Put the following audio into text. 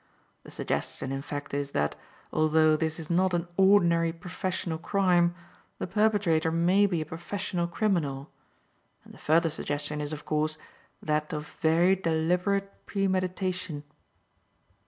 The suggestion, in fact, is that, although this is not an ordinary professional crime, the perpetrator may be a professional criminal. And the further suggestion is, of course, that of very deliberate premeditation."